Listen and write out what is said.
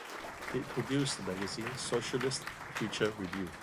It produced the magazine "Socialist Future Review".